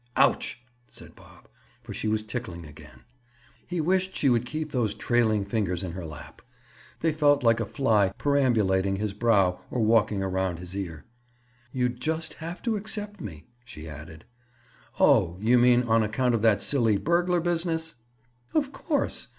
"Ouch!" said Bob, for she was tickling again. He wished she would keep those trailing fingers in her lap. They felt like a fly perambulating his brow or walking around his ear. "You'd just have to accept me," she added. "Oh, you mean on account of that silly burglar business?" "Of course.